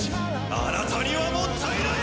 あなたにはもったいない！